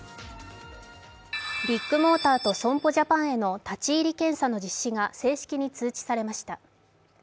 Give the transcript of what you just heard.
ビッグモーターと損保ジャパンへの立ち入り検査の実施が正式に通知されました。